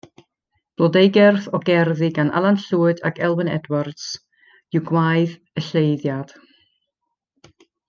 Blodeugerdd o gerddi gan Alan Llwyd ac Elwyn Edwards yw Gwaedd y Lleiddiad.